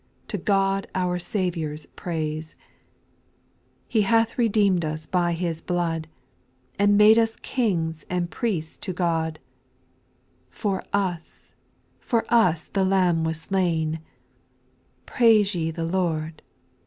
To God our Saviour's praise :—" He hath redeemed us by His blood, And made us kings and priests to God ;" For us — for us the Lamb was slain, Praise ye the Lord.